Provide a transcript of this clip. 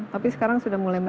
tapi sekarang sudah mulai